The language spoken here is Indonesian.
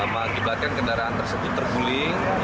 mengibatkan kendaraan tersebut terguling